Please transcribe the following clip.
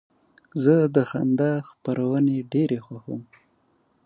زه د خندا خپرونې ډېرې خوښوم.